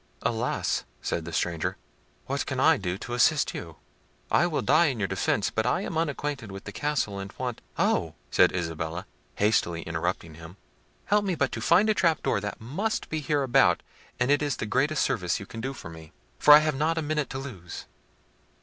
"Alas!" said the stranger, "what can I do to assist you? I will die in your defence; but I am unacquainted with the castle, and want—" "Oh!" said Isabella, hastily interrupting him; "help me but to find a trap door that must be hereabout, and it is the greatest service you can do me, for I have not a minute to lose."